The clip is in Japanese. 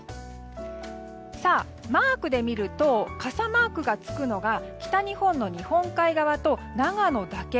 マークで見ると傘マークがつくのが北日本の日本海側と長野だけ。